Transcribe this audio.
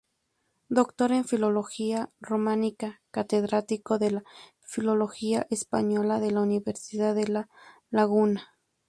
Doctor en Filología Románica, Catedrático de Filología Española de la Universidad de La Laguna.